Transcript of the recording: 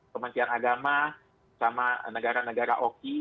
kementerian agama sama negara negara oki